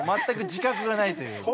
全く自覚がないという。